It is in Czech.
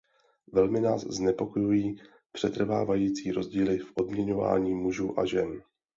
Velmi nás znepokojují přetrvávající rozdíly v odměňování mužů a žen.